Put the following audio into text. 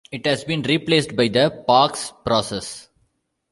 It has been replaced by the Parkes process.